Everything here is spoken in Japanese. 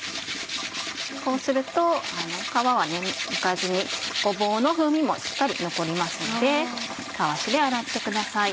こうすると皮はむかずにごぼうの風味もしっかり残りますのでタワシで洗ってください。